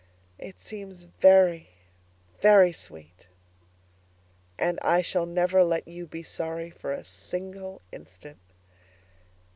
It seems very, very sweet. And I shall never let you be sorry for a single instant.